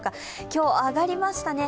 今日、上がりましたね。